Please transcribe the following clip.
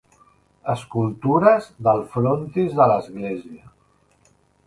Escultures del frontis de l'església.